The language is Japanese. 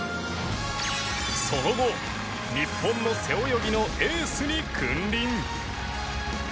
その後日本の背泳ぎのエースに君臨